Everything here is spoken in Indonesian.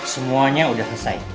semuanya udah selesai